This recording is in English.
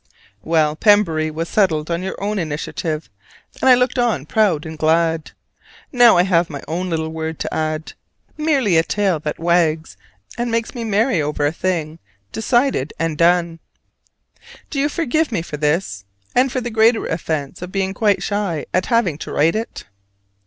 Well, Pembury was settled on your own initiative: and I looked on proud and glad. Now I have my own little word to add, merely a tail that wags and makes merry over a thing decided and done. Do you forgive me for this: and for the greater offense of being quite shy at having to write it?